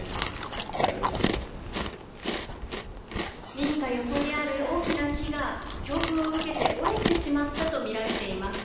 民家横にある大きな木が強風を受けて折れてしまったとみられています。